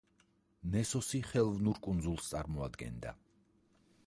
ნესოსი ხელოვნურ კუნძულს წარმოადგენდა.